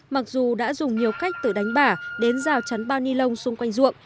mặc dù đã dùng nhiều cách từ đánh bả đến rào chắn bao ni lông xung quanh ruộng